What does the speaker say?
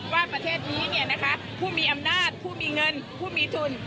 ว่าประเทศนี้ผู้มีอำนาจผู้มีเงินผู้มีทุน